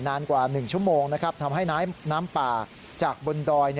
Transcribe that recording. นานกว่า๑ชั่วโมงทำให้น้ำป่าจากบนดอย